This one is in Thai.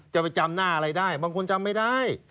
จะไปจำหน้าอะไรได้บางคนจำไม่ได้